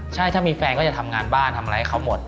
ถ้าควรมันมีแฟนก็จะทำงานบ้านทำอะไรเขาหมด